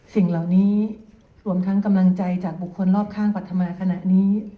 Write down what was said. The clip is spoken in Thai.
สิ่งเหล่านี้รวมทั้งกำลังใจจากบุคคลรอบข้างปรัฐมาขณะนี้